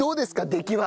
出来は。